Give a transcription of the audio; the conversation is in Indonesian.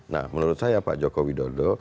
nah menurut saya pak jokowi dodo